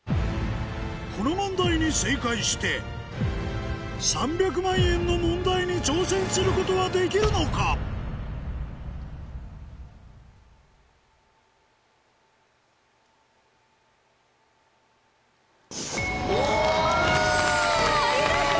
この問題に正解して３００万円の問題に挑戦することはできるのかありがとう！